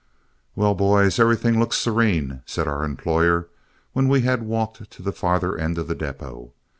"Well, boys, everything looks serene," said our employer, when we had walked to the farther end of the depot.